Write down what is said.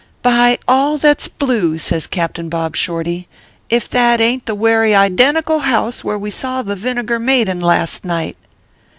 " By all that s blue !" says Captain Bob Shorty, " if that ain t the werry identical house where we saw the vinegar maiden last night